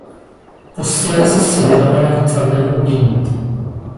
Posléze se věnovala výtvarnému umění.